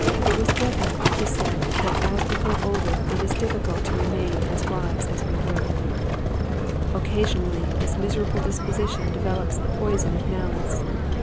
It was Goethe who said that as we grow older it is difficult to remain as wise as we were. Occasionally this miserable disposition develops the poison of malice.